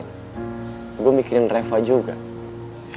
tapi kan banyak hal yang gue pertimbangin